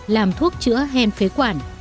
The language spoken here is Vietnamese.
làm thuốc chữa hen phế quản